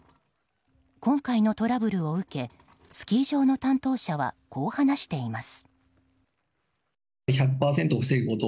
今回のトラブルを受けスキー場の担当者はこう話しています。